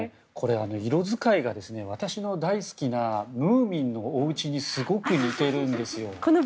色使いが私の大好きなムーミンのおうちにすごく似ているんですよ。